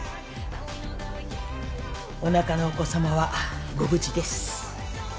おなかのお子さまはご無事です。